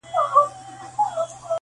اکثر له دین او له وقاره سره لوبي کوي!.